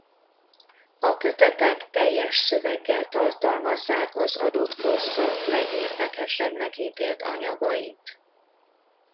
A kötetek teljes szöveggel tartalmazzák az adott korszak legérdekesebbnek ítélt anyagait.